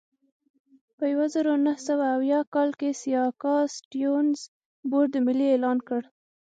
په یوه زرو نهه سوه اویا کال کې سیاکا سټیونز بورډ ملي اعلان کړ.